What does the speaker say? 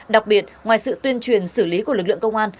đặc biệt ngoài sự tuyên truyền xử lý của lực lượng công an